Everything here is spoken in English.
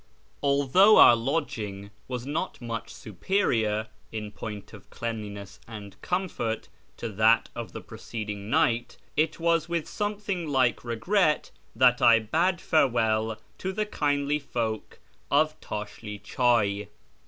Although our lodging was not much superior, in point of cleanliness and comfort, to that of the preceding night, it was with something like regret that I bade farewell to the kindly folk of Tashli Chay.